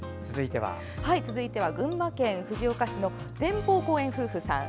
続いては群馬県藤岡市の前方後円夫婦さん。